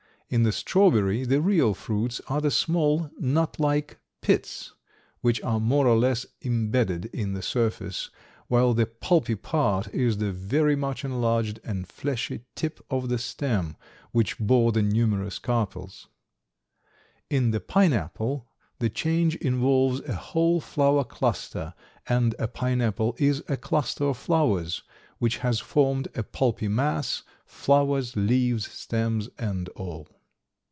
In the strawberry the real fruits are the small, nut like "pits" which are more or less imbedded in the surface, while the pulpy part is the very much enlarged and fleshy tip of the stem which bore the numerous carpels. In the pineapple the change involves a whole flower cluster, and a pineapple is a cluster of flowers which has formed a pulpy mass, flowers, leaves, stems, and all.